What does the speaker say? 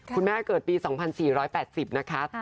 คุณแม่เกิดปี๒๔๘๐นะคะ